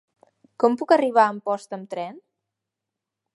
Com puc arribar a Amposta amb tren?